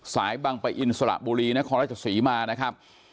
บังปะอินสระบุรีนครราชศรีมานะครับ